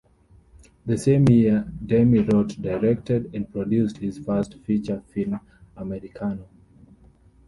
The same year, Demy wrote, directed and produced his first feature film, "Americano".